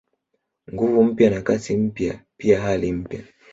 Nguvu mpya na Kasi mpya pia hali mpya